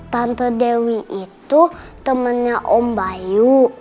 tante dewi itu temannya om bayu